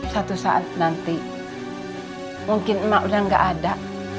satu saat nanti mungkin mak udah nggak ada